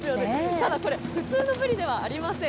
ただこれ、普通のブリではありません。